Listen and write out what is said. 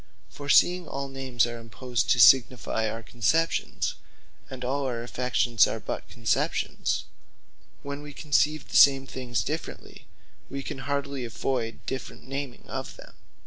For seeing all names are imposed to signifie our conceptions; and all our affections are but conceptions; when we conceive the same things differently, we can hardly avoyd different naming of them.